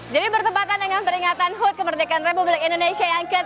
jadi bertempatan dengan peringatan hut kemerdekaan republik indonesia yang ke tujuh puluh tiga